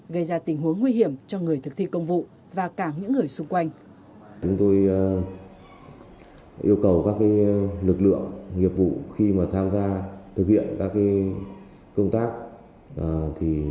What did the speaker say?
gây ra tình huống nguy hiểm cho người thực thi công vụ và cả những người xung quanh